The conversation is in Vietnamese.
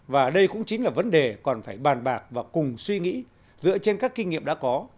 và đây cũng chính là vấn đề còn phải bàn bạc và cùng suy nghĩ dựa trên các kinh nghiệm đã có